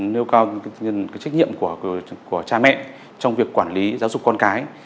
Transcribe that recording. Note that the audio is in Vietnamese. nêu cao trách nhiệm của cha mẹ trong việc quản lý giáo dục con cái